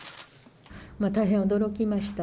大変驚きました。